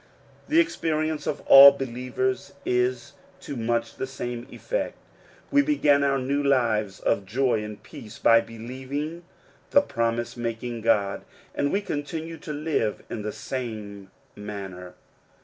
The experience of all believers is to much the same effect : we began our new lives of joy and peace by believirg the promise making God, and we continue to live in the same manner.